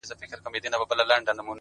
زه وایم ما به واخلي. ما به يوسي له نړيه.